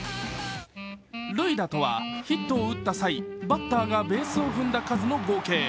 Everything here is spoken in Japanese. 塁打とはヒットを打った際バッターがベースを踏んだ数の合計。